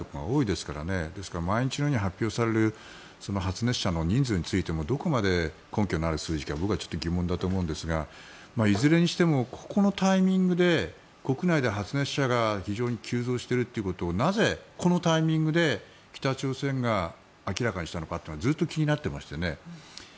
ですから毎日のように発表される発熱者の人数についてもどこまで根拠のある数字か僕はちょっと疑問だと思うんですがいずれにしてもここのタイミングで国内で発熱者が非常に急増しているということをなぜ、このタイミングで北朝鮮が明らかにしたのかというのはずっと気になってまして。